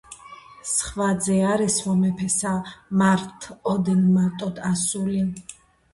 სხვა ძე არ ესვა მეფესა მართ ოდენ მარტოდ ასული.